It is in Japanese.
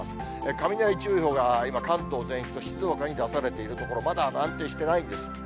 雷注意報が今、関東全域と静岡に出されているところ、まだ安定してないんです。